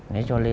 nên cho nên là